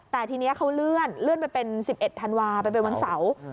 แต่ทีนี้เขาเลื่อนไปเป็น๑๑ธันวาไปเป็นวันเสาร์